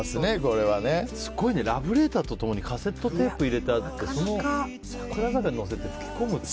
すごいねラブレターと共にカセットテープが入れてあって「桜坂」に乗せて吹き込むって。